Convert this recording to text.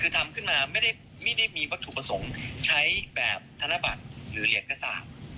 ที่มีวัตถุประสงค์ใช้แบบธนบัตรหรือเหรียญกษา